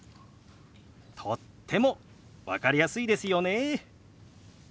とっても分かりやすいですよね。